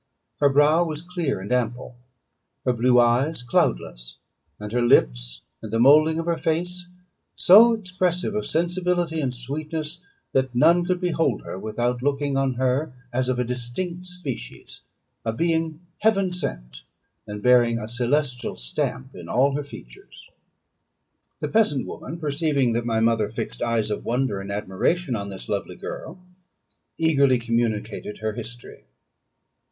Her brow was clear and ample, her blue eyes cloudless, and her lips and the moulding of her face so expressive of sensibility and sweetness, that none could behold her without looking on her as of a distinct species, a being heaven sent, and bearing a celestial stamp in all her features. The peasant woman, perceiving that my mother fixed eyes of wonder and admiration on this lovely girl, eagerly communicated her history.